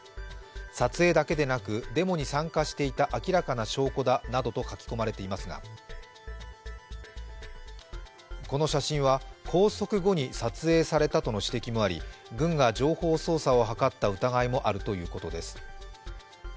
撮影だけでなくデモに参加していた明らかな証拠だなどと書き込まれていますがこの写真は拘束後に撮影されたとの指摘もあり軍が情報操作を図った疑いもあるということです。